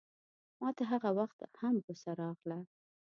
ماته هغه وخت هم غوسه راغله.